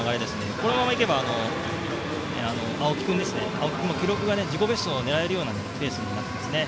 このままいけば青木君も自己ベストを狙えるようなレースになりますね。